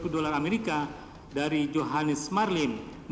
dua puluh dolar amerika dari johannes marlim